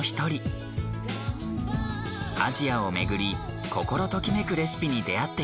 アジアを巡り心ときめくレシピに出会ってきました。